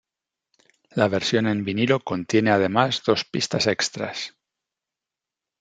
La versión en vinilo contiene además dos pistas extras.